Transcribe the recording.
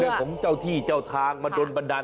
ของเจ้าที่เจ้าทางมาโดนบันดาล